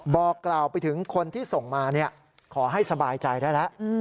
บอกกล่าวไปถึงคนที่ส่งมาขอให้สบายใจได้แล้ว